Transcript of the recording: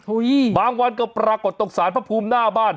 บางวันก็ปรากฏตรงสารพระภูมิหน้าบ้าน